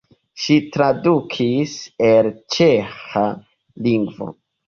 Ŝi tradukis el ĉeĥa lingvo.